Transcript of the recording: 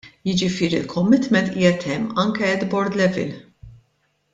Jiġifieri l-commitment qiegħed hemm anke at board level.